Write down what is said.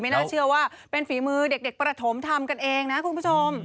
น่าเชื่อว่าเป็นฝีมือเด็กประถมทำกันเองนะคุณผู้ชม